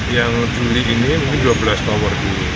yang juli ini mungkin dua belas tower dulu